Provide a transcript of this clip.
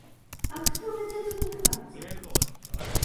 А хто гэта тут у хаце?